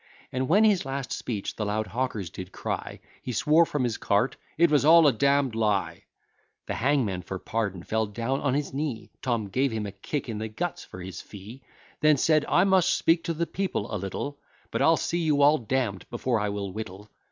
And when his last speech the loud hawkers did cry, He swore from his cart, "It was all a damn'd lie!" The hangman for pardon fell down on his knee; Tom gave him a kick in the guts for his fee: Then said, I must speak to the people a little; But I'll see you all damn'd before I will whittle.